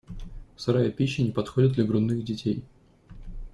Сырая пища не подходит для грудных детей.